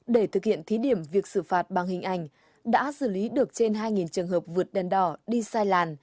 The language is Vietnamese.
để thực hiện thí điểm việc xử phạt bằng hình ảnh đã xử lý được trên hai trường hợp vượt đèn đỏ đi sai làn